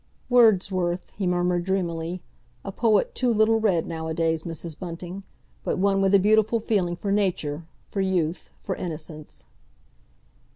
"Wordsworth," he murmured dreamily. "A poet too little read nowadays, Mrs. Bunting; but one with a beautiful feeling for nature, for youth, for innocence."